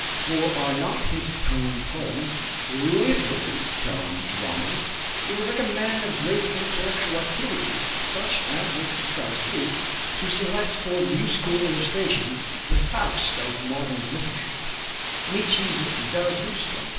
For are not his tone poems literally tone dramas? It was like a man of great intellectual activity, such as Richard Strauss is, to select for musical illustration the Faust of modern literature Nietzsche's "Zarathustra."